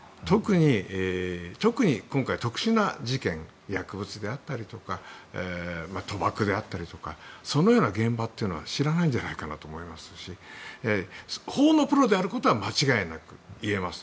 特に今回、特殊な事件薬物であったりとか賭博であったりとかそのような現場というのは知らないんじゃないかなと思いますし法のプロであることは間違いないと言えます。